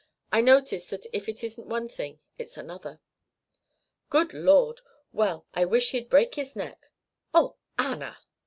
I notice that if it isn't one thing it's another." "Good Lord! Well, I wish he'd break his neck." "Oh, Anna!"